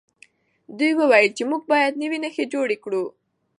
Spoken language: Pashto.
دوی وویل چې موږ باید نوي نښې جوړې کړو.